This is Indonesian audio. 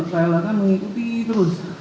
klhk mengikuti terus